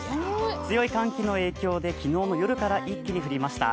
強い寒気の影響で昨日の夜から一気に降りました。